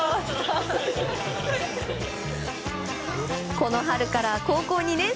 この春から高校２年生。